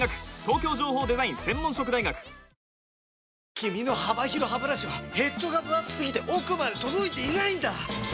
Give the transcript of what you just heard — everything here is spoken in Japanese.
君の幅広ハブラシはヘッドがぶ厚すぎて奥まで届いていないんだ！